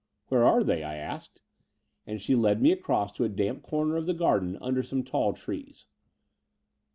"Where are they?" I asked; and she led me across to a damp comer of the garden imder some tall trees.